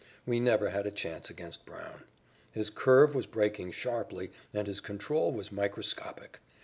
We never had a chance against Brown. His curve was breaking sharply, and his control was microscopic.